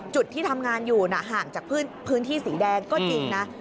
ที่ทำงานอยู่ห่างจากพื้นที่สีแดงก็จริงนะ